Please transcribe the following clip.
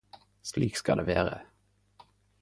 Slik skal det vere!.